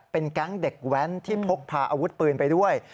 เป็นแก๊งเด็กแว้นที่พกพาอาวุธปืนไปด้วย